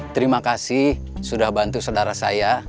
terima kasih sudah bantu saudara saya